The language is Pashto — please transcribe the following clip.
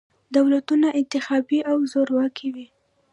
دولتونه انتخابي او زورواکي وي.